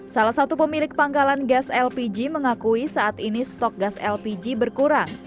salah satu pemilik pangkalan gas lpg mengakui saat ini stok gas lpg berkurang